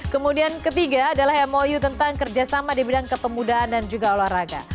kemudian ketiga adalah mou tentang kerjasama di bidang kepemudaan dan juga olahraga